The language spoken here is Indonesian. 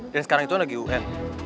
dan sekarang itu lagi un